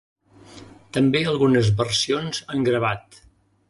També algunes versions en gravat.